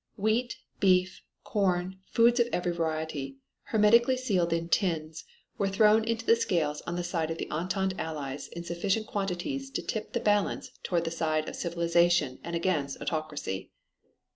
Wheat, beef, corn, foods of every variety, hermetically sealed in tins, were thrown into the scales on the side of the Entente Allies in sufficient quantities to tip the balance toward the side of civilization and against autocracy.